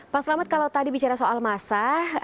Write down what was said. pak selamat kalau tadi bicara soal masa